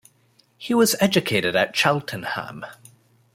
He was educated at Cheltenham.